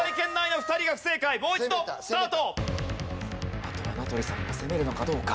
あとは名取さんが攻めるのかどうか。